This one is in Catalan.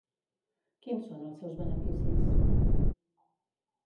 Quins són els seus beneficis?